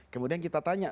kemudian kita tanya